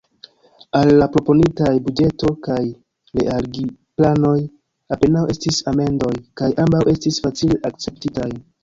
Al la proponitaj buĝeto kaj realigplanoj apenaŭ estis amendoj, kaj ambaŭ estis facile akceptitaj.